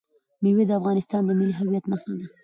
مېوې د افغانستان د ملي هویت نښه ده.